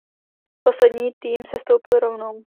Poslední tým sestoupil rovnou.